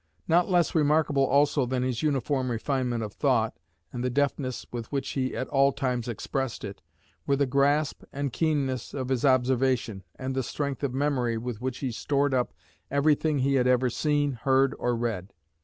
Not less remarkable also than his uniform refinement of thought, and the deftness with which he at all times expressed it, were the grasp and keenness of his observation, and the strength of memory with which he stored up every thing he had ever seen, heard, or read.